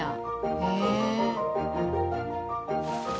へえ。